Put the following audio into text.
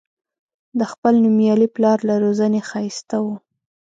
د خپل نومیالي پلار له روزنې ښایسته و.